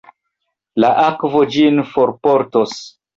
La akvo ĝin forportos.